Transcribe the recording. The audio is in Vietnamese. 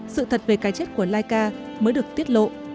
sự thật về cái chết của laika mới được tiết lộ